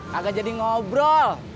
kagak jadi ngobrol